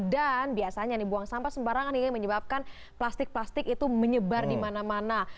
dan biasanya buang sampah sembarangan ini menyebabkan plastik plastik itu menyebar di mana mana